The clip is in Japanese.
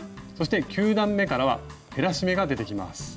そして９段めからは減らし目が出てきます。